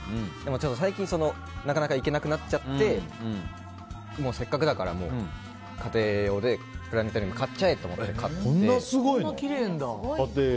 最近、なかなか行けなくなっちゃってせっかくだから家庭用でプラネタリウムをこんなすごいの、家庭用。